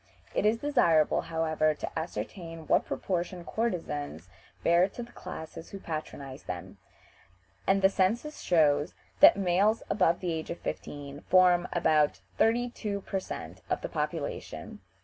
It is desirable, however, to ascertain what proportion courtesans bear to the classes who patronize them, and the census shows that males above the age of fifteen form about thirty two per cent. of the population.